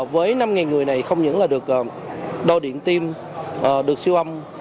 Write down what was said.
với năm người này không những được đo điện tiêm được siêu âm